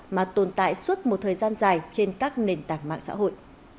mà tồn tại suốt một thời gian dài trên các nền tảng mạng xã hội